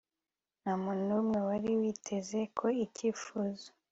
nta muntu numwe wari witeze ko icyifuzo